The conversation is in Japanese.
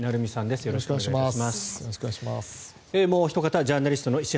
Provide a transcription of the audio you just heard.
よろしくお願いします。